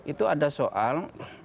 itu ada soal